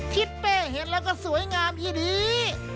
ทิศเป้เห็นแล้วก็สวยงามอีดี